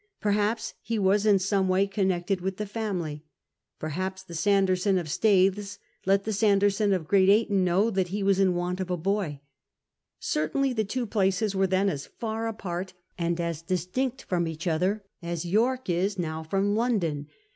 Perhaps he was in some way connected with the family. Perhaps the Sanderson of Staithes let the Sanderson of Great Ayton know that he was in want of a boy. Cer tainly the two places were then as far apart and as distinct from each other as York is now from London.